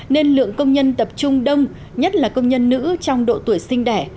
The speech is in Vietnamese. nên lượng công nhân tập trung đông nhất là công nhân nữ trong độ tuổi sinh đẻ